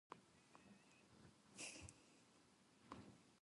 お辞儀の角度で、敬意の度合いが変わるって日本の文化らしいね。